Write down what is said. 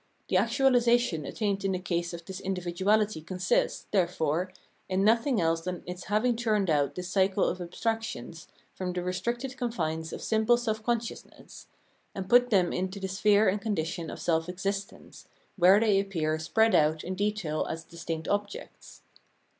The actuahsation attained in the case of this individuahty consists, therefore, in nothing else than its having turned out this cycle of abstractions from the restricted confines of simple self consciousness, and put them into the sphere and condition of self existence, where they appear spread out in detail as distinct objects.